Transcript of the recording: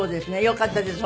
よかったです